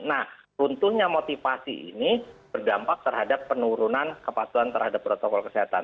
nah runtuhnya motivasi ini berdampak terhadap penurunan kepatuhan terhadap protokol kesehatan